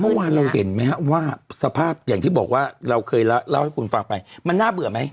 เมื่อวานเราเห็นไหมฮะว่าสภาพอย่างที่บอกว่าเราเคยเล่าให้คุณฟังไปมันน่าเบื่อไหม